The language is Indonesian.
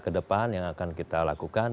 ke depan yang akan kita lakukan